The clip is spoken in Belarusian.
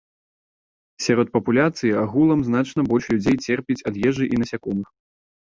Сярод папуляцыі агулам значна больш людзей церпіць ад ежы і насякомых.